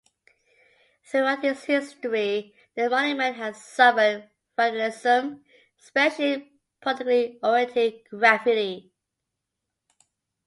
Throughout its history, the monument has suffered vandalism, especially politically oriented graffiti.